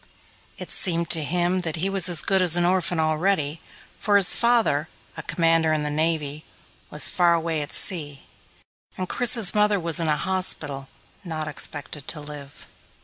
It seemed to him that he was as good as an orphan already, for his father, a Commander in the Navy, was far away at sea, and Chris's mother was in a hospital, not expected to live.